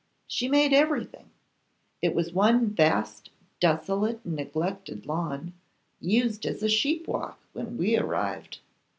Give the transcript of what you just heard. She made everything. It was one vast, desolate, and neglected lawn, used as a sheep walk when we arrived.